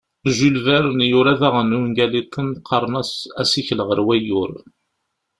Jules Verne yura daɣen ungal-iḍen qqaren-as "Asikel ɣer wayyur".